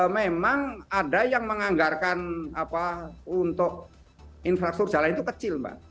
memang ada yang menganggarkan untuk infrastruktur jalan itu kecil mbak